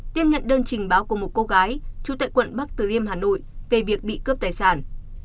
tiếp nhận đơn trình báo của một cô gái trú tại quận bắc từ liêm hà nội về việc bị cướp tài sản